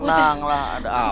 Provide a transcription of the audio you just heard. tenanglah ada apa